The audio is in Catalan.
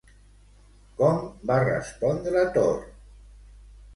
Com va respondre Thor?